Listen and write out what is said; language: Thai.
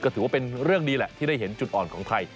ก็ถือว่าเป็นเรื่องดีแหละที่ได้เห็นจุดอ่อนของไทย